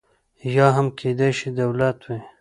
یا هم کېدای شي دولت وي.